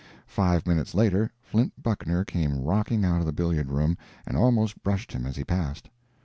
Five minutes later Flint Buckner came rocking out of the billiard room and almost brushed him as he passed.